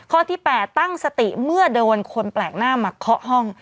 ข้อที่๘ตั้งสติเมื่อโดนคนแปลกหน้ามาเคาะห้อง